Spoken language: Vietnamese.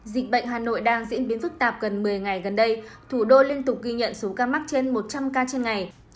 dịch bệnh hà nội đang diễn biến phức tạp gần một mươi ngày gần đây thủ đô liên tục ghi nhận số ca mắc trên một trăm linh ca trên ngày